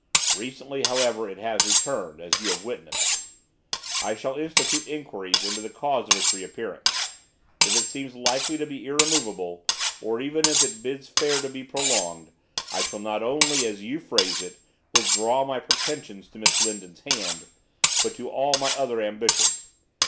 Recently, however, it has returned, as you have witnessed. I shall institute inquiries into the cause of its reappearance; if it seems likely to be irremovable, or even if it bids fair to be prolonged, I shall not only, as you phrase it, withdraw my pretensions to Miss Lindon's hand, but to all my other ambitions.